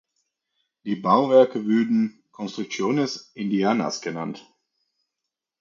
Die Bauwerke wurden "construcciones indianas" genannt.